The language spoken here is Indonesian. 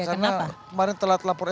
karena kemarin telat lapor